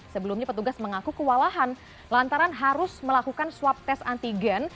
sebelumnya petugas mengaku kewalahan lantaran harus melakukan swab tes antigen